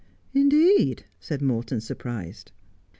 ' Indeed,' said Morton, surprised.